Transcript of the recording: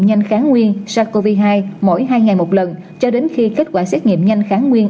nhanh kháng nguyên sars cov hai mỗi hai ngày một lần cho đến khi kết quả xét nghiệm nhanh kháng nguyên